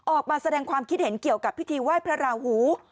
ออกมาแสดงความคิดเห็นเกี่ยวกับพิธีไหว้พระราหู